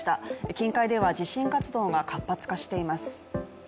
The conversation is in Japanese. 近海では地震活動が活発化しています。